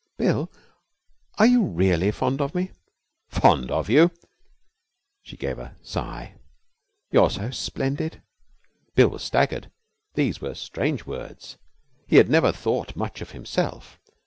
'Bill, are you really fond of me?' 'Fond of you!' She gave a sigh. 'You're so splendid!' Bill was staggered. These were strange words. He had never thought much of himself.